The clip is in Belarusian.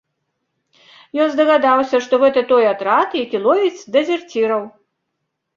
Ён здагадаўся, што гэта той атрад, які ловіць дэзерціраў.